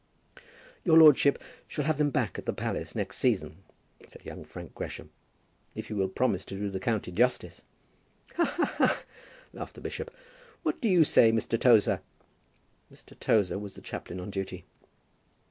"Your lordship shall have them back at the palace next season," said young Frank Gresham, "if you will promise to do the county justice." "Ha, ha, ha!" laughed the bishop. "What do you say, Mr. Tozer?" Mr. Tozer was the chaplain on duty.